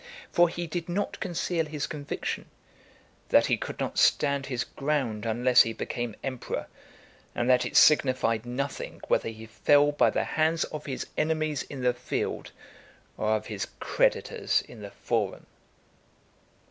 For he did not conceal his conviction, "that he could not stand his ground unless he became emperor, and that it signified nothing whether he fell by the hands of his enemies in the field, or of his creditors in the Forum."